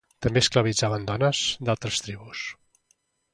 També esclavitzaven dones d'altres tribus.